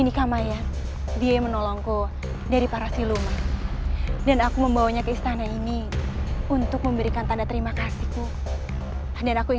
untuk memberikan tanda terima kasihku untuk menolongku dari para siluman dan aku membawanya ke istana ini untuk memberikan tanda terima kasihku untuk memberikan tanda terima kasihku